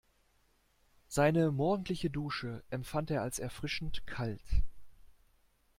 Seine morgendliche Dusche empfand er als erfrischend kalt.